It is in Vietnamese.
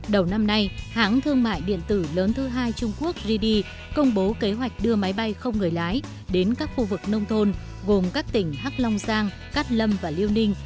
đầu năm nay hãng thương mại điện tử lớn thứ hai trung quốc gd công bố kế hoạch đưa máy bay không người lái đến các khu vực nông thôn gồm các tỉnh hắc long giang cát lâm và liêu ninh